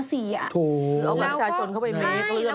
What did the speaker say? ถูกเอากลางชายสนเข้าไปไหมเขาเรื่องทุกอย่าง